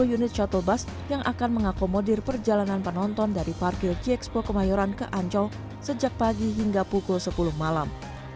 satu unit shuttle bus yang akan mengakomodir perjalanan penonton dari parkir gxpo kemayoran ke ancol sejak pagi hingga pukul sepuluh malam